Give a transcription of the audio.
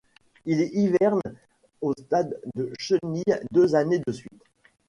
Il hiverne au stade de chenille deux années de suite.